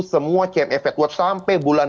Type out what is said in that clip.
semua kmf edwards sampai bulan